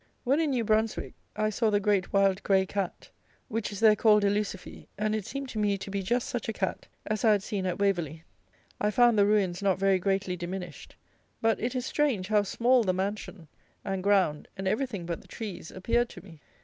When in New Brunswick I saw the great wild grey cat, which is there called a Lucifee; and it seemed to me to be just such a cat as I had seen at Waverley. I found the ruins not very greatly diminished; but it is strange how small the mansion, and ground, and everything but the trees, appeared to me.